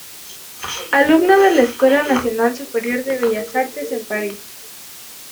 Alumno de la Escuela nacional superior de Bellas Artes en París.